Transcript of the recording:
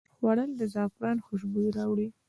خوړل د زعفران خوشبويي راوړي